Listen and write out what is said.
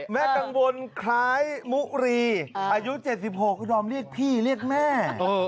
กังวลคล้ายมุรีอายุ๗๖ดอมเรียกพี่เรียกแม่